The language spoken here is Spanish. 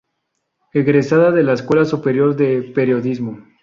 Egresada de la Escuela Superior de Periodismo.